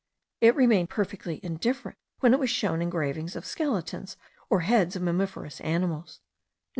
It remained perfectly indifferent when it was shown engravings of skeletons or heads of mammiferous animals.